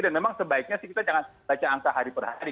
dan memang sebaiknya sih kita jangan baca angka hari per hari